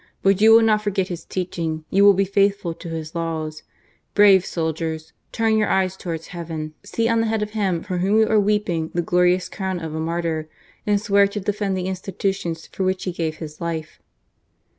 But you w , "get his teaching — j ou .ill be faithful to 1 Brave soldiers ! Turn lur eyes towards :e on the head of him lur whom you are nc >■ e glorious crown of a martyr, and swear tu i the institutions for which he gave his life."